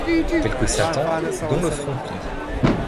Quelque Satan -dont le front plie